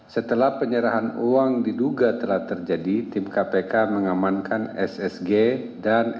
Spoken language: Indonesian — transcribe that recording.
setelah penyerahan uang diduga telah terjadi tim kpk mengamankan ssg dan